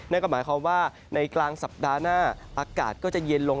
นั่นก็หมายความว่าในกลางสัปดาห์หน้าอากาศก็จะเย็นลง